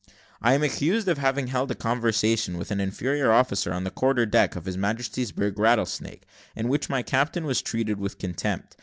"I am accused of having held a conversation with an inferior officer on the quarter deck of His Majesty's brig Rattlesnake, in which my captain was treated with contempt.